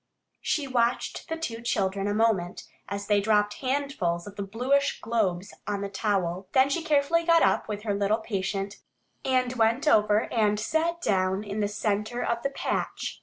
She watched the two children a moment as they dropped handfuls of the bluish globes on the towel. Then she carefully got up with her little patient and went over and sat down in the center of the patch.